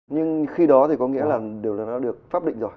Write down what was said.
nhưng khi đó thì có nghĩa là điều là đã được pháp định rồi